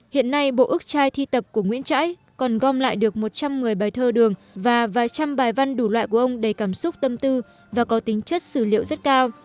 hiện nay bộ ước trai thi tập của nguyễn trãi còn gom lại được một trăm một mươi bài thơ đường và vài trăm bài văn đủ loại của ông đầy cảm xúc tâm tư và có tính chất sử liệu rất cao